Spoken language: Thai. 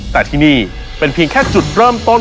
แต่ที่นี่เป็นเพียงแค่จุดเริ่มต้น